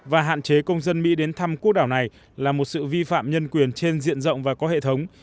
và hạn chế công dân mỹ đến thăm quốc đảo này là một sự vi phạm nhân quyền trên diện rộng và có hệ thống